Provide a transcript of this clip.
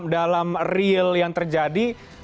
dalam real yang terjadi